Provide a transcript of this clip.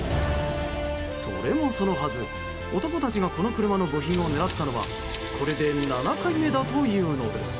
それもそのはず、男たちがこの車の部品を狙ったのはこれで７回目だというのです。